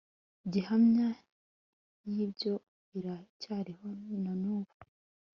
gihamya y'ibyo iracyariho na n'ubu